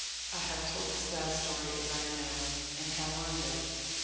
I have told this sad story as I know and have learned it.